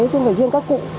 chứ không phải riêng các cụ